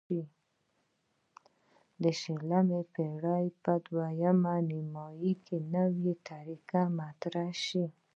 د شلمې پیړۍ په دویمه نیمایي کې نوې طریقې مطرح شوې.